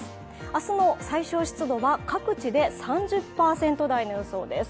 明日の最小湿度は各地で３０％台の予想です。